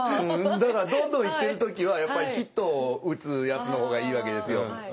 だからどんどん行ってる時はやっぱりヒットを打つやつの方がいいわけですよ。